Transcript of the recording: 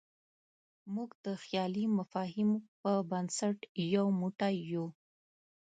موږ د خیالي مفاهیمو په بنسټ یو موټی یو.